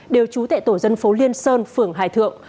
đều trú tại tổ dân phố liên sơn phường hải thượng